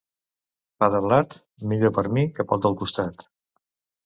Pa de blat, millor per mi que pel del costat.